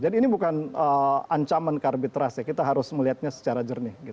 jadi ini bukan ancaman ke arbitrase kita harus melihatnya secara jernih